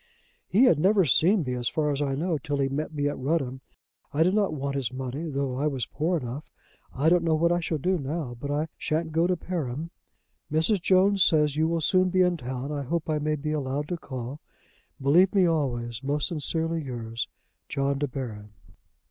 "He had never seen me, as far as I know, till he met me at Rudham. I did not want his money, though I was poor enough. I don't know what I shall do now; but I shan't go to Perim. "Mrs. Jones says you will soon be in town. I hope I may be allowed to call. "Believe me always, "Most sincerely yours, "JOHN DE BARON."